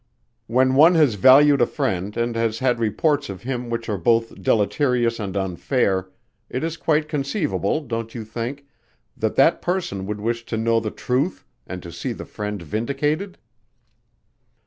"When one has valued a friend and has had reports of him which are both deleterious and unfair it is quite conceivable, don't you think, that that person would wish to know the truth and to see the friend vindicated?"